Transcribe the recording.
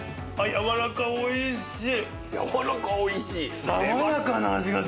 やわらかおいしい？